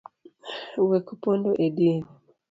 Wek pondo e din.